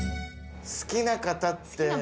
好きな方って。